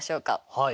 はい。